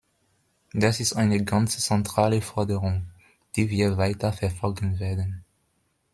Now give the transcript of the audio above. Das ist eine ganz zentrale Forderung, die wir weiter verfolgen werden!